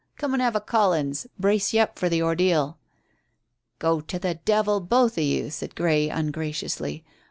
Come and have a 'Collins'; brace you up for the ordeal." "Go to the devil, both of you," said Grey ungraciously.